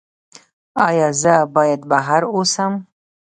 ایا زه باید بهر اوسم؟